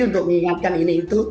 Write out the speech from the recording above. untuk mengingatkan ini itu